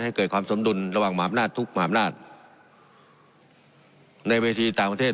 ให้เกิดความสมดุลระหว่างหมาอำนาจทุกมหาอำนาจในเวทีต่างประเทศ